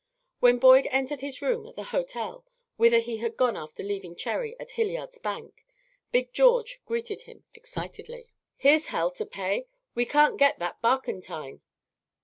When Boyd entered his room at the hotel, whither he had gone after leaving Cherry at Hilliard's bank, Big George greeted him excitedly. "Here's hell to pay. We can't get that barkentine."